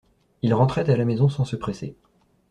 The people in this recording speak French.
Il rentrait à la maison sans se presser.